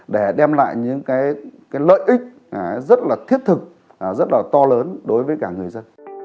để đem lại những cái lợi ích rất là thiết thực rất là to lớn đối với cả người dân